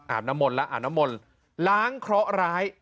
น้ำมนต์และอาบน้ำมนต์ล้างเคราะห์ร้าย